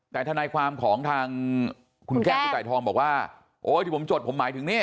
แต่ทนายความของทางคุณแก้มคุณไก่ทองบอกว่าโอ๊ยที่ผมจดผมหมายถึงเนี่ย